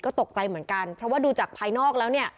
ก็ตกใจเหมือนกันเพราะว่าดูจากภายนอกแล้วเนี่ย